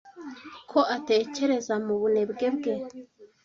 ko atekereza mubunebwe bwe